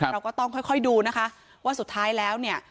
เราก็ต้องค่อยดูนะคะว่าสุดท้ายแล้วเนี่ย